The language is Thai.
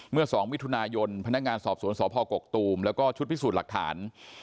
เมื่อ๒มิถุนายนพนักงานสอบสวนสพกกตูมแล้วก็ชุดพิสูจน์หลักฐาน